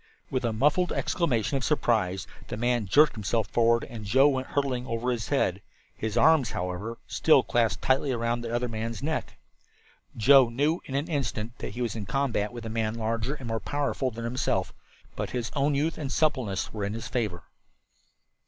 With a muffled exclamation of surprise the man jerked himself forward and Joe went hurtling over his head, his arms, however, still clasped tightly about the other man's neck. Joe knew in an instant that he was in combat with a man larger and more powerful than himself, but his own youth and suppleness were in his favor.